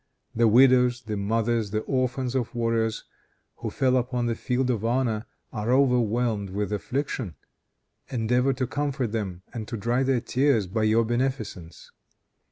The widows, the mothers, the orphans of warriors who fell upon the field of honor, are overwhelmed with affliction. Endeavor to comfort them and to dry their tears by your beneficence.